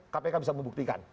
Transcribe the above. kpk bisa membuktikan